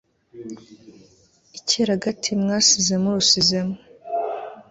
icyeragati mwasize murusizemo